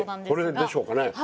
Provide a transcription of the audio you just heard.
これでしょうかね。